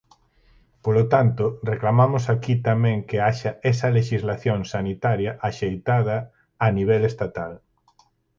Polo tanto, reclamamos aquí tamén que haxa esa lexislación sanitaria axeitada a nivel estatal.